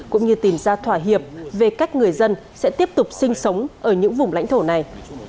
cũng như tìm ra thỏa hiệp về cách người dân sẽ tiếp tục sinh sống ở những vùng lãnh thổ này